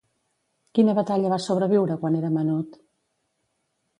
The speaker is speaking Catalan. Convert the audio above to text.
Quina batalla va sobreviure quan era menut?